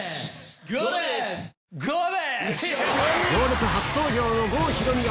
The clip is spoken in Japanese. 『行列』初登場の郷ひろみが